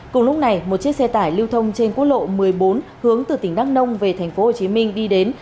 cùng lúc này một chiếc xe tải lưu thông trên quốc lộ một mươi bốn hướng từ tỉnh đắk nông về thành phố hồ chí minh đi đến